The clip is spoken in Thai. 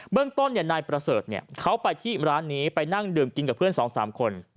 เรื่องต้นนายประเสริฐเขาไปที่ร้านนี้ไปนั่งดื่มกินกับเพื่อน๒๓คน